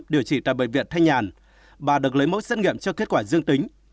điều trị tại bệnh viện thanh nhàn bà được lấy mẫu xét nghiệm cho kết quả dương tính